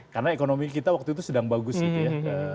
karena ekonomi kita waktu itu sedang bagus gitu ya